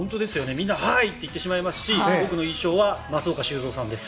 みんな、ハイ！って言ってしまいますし僕の印象は松岡修造さんです。